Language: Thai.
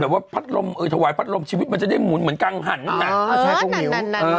แบบว่าถวายพัดลมชีวิตมันจะได้หมุนเหมือนกางหั่นแหละใช่คงเหงียว